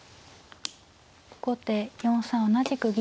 後手４三同じく銀。